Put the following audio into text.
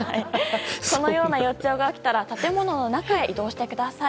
このような予兆が起きたら建物の中へ移動してください。